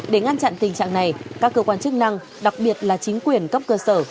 để ngăn chặn tình trạng này các cơ quan chức năng đặc biệt là chính quyền cấp cơ sở